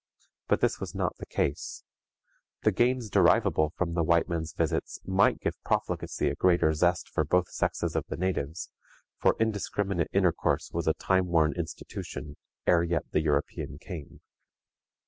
But this was not the case. The gains derivable from the white men's visits might give profligacy a greater zest for both sexes of the natives, for indiscriminate intercourse was a time worn institution ere yet the European came.